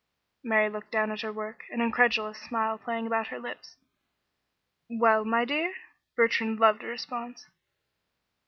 Mary looked down at her work, an incredulous smile playing about her lips. "Well, my dear?" Bertrand loved a response.